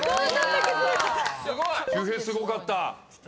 秀平すごかった。